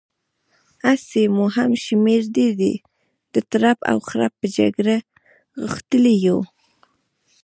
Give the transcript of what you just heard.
هسې مو هم شمېر ډېر دی، د ترپ او خرپ پر جګړې غښتلي يو.